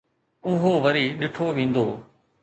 اهو وري ڏٺو ويندو.